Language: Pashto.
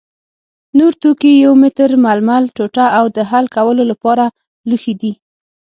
نور توکي یو متر ململ ټوټه او د حل کولو لپاره لوښي دي.